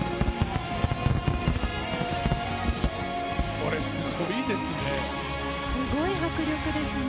これ、すごいですね。